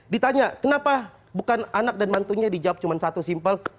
ditanya kenapa bukan anak dan mantunya dijawab cuma satu simpel